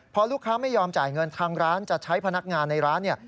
พอลูกค้าไม่ยอมจ่ายเงินทางร้านจะใช้พนักงานในร้านเนี่ย